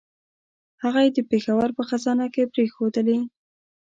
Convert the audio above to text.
هغه یې د پېښور په خزانه کې پرېښودلې.